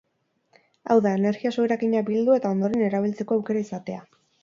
Hau da, energia-soberakina bildu, eta ondoren, erabiltzeko aukera izatea.